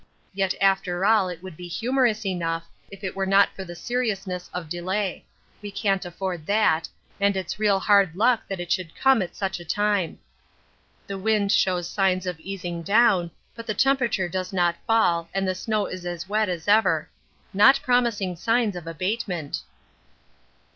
Yet after all it would be humorous enough if it were not for the seriousness of delay we can't afford that, and it's real hard luck that it should come at such a time. The wind shows signs of easing down, but the temperature does not fall and the snow is as wet as ever not promising signs of abatement.